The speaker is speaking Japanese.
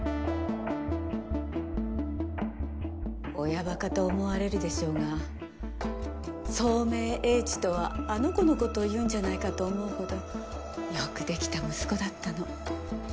親バカと思われるでしょうが聡明叡智とはあの子のことを言うんじゃないかと思うほどよくできた息子だったの。